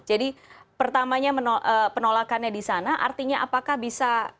jadi pertamanya penolakannya di sana artinya apakah bisa